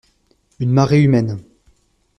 Une marée humaine.